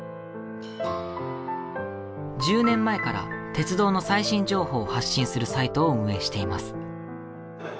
１０年前から鉄道の最新情報を発信するサイトを運営しています。